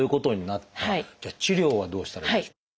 じゃあ治療はどうしたらいいでしょう？